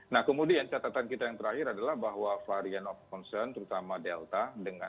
nah kemudian catatan kita yang terakhir adalah bahwa varian of concern terutama delta